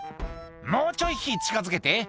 「もうちょい火近づけて」